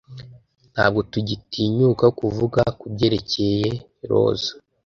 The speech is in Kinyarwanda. Ntabwo tugitinyuka kuvuga kubyerekeye roza